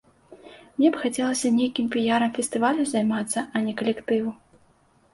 Мне б хацелася нейкім піярам фестывалю займацца, а не калектыву.